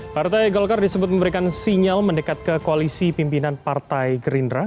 partai golkar disebut memberikan sinyal mendekat ke koalisi pimpinan partai gerindra